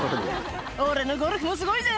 俺のゴルフもすごいぜ。